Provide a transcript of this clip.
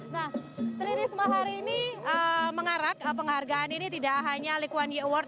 nah risma hari ini mengarak penghargaan ini tidak hanya likuan u awards